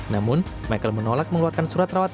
namun michael menolak mengeluarkan surat rawat